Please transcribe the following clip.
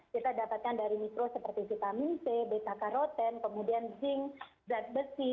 kita dapatkan dari mikro seperti vitamin c beta karoten kemudian zinc zat besi